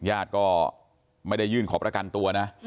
ญาติก็ไม่ได้ยื่นขอประกันตัวนะ